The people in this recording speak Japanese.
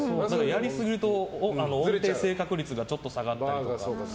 やりすぎると、音程正確率がちょっと下がったりとか。